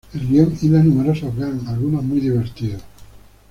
El guion hila numerosos gags, algunos muy divertidos.